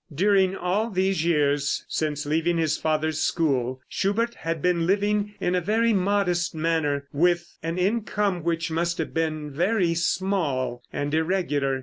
During all these years since leaving his father's school, Schubert had been living in a very modest manner, with an income which must have been very small and irregular.